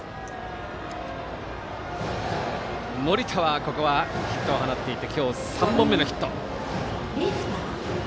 森田は、ここはヒットを放っていって今日３本目のヒット。